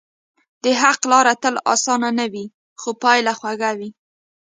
د حق لار تل آسانه نه وي، خو پایله خوږه وي.